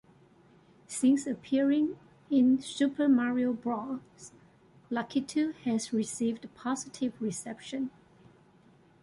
Since appearing in "Super Mario Bros.", Lakitu has received positive reception.